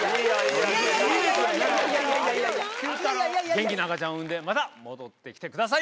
元気な赤ちゃんを産んでまた戻ってきてください。